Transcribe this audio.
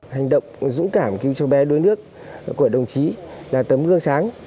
hành động dũng cảm cứu cháu bé đối nước của đồng chí là tấm gương sáng